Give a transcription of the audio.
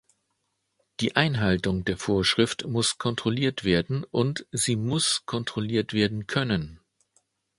Die Einhaltung der Vorschrift muss kontrolliert werden, und sie muss kontrolliert werden können.